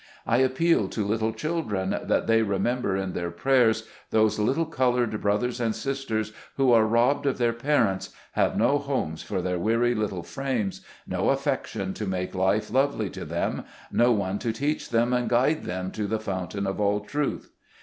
I appeal to little children, that they remember in their prayers those little colored brothers and sisters who are robbed of their parents, have no homes for their weary little frames, no affection to make life lovely to them, no one to teach them and guide them to the Fountain of all Truth.